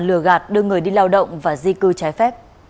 lừa gạt đưa người đi lao động và di cư trái phép